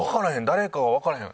誰かはわからへん。